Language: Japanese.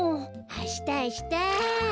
あしたあした。